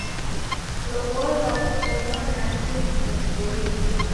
Kulow'olwa kuko mwanake ndokuboie!